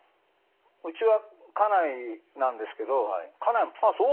うちは家内なんですけど家内も「あっそう。